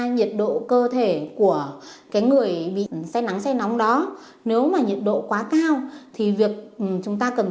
nhiệt độ cơ thể của cái người bị xe nắng xe nóng đó nếu mà nhiệt độ quá cao thì việc chúng ta cần